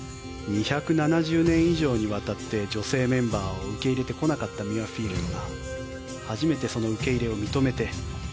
２７０年以上にわたって女性メンバーを受け入れてこなかったミュアフィールドが初めてその受け入れを認めて。